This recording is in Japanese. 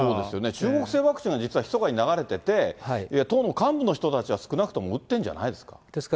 中国製ワクチンが実はひそかに流れてて、党の幹部の人たちは少なくとも打ってんじゃないですか？